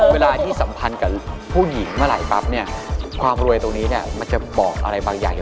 วันนี้คือเวลาที่มีผู้จำนาน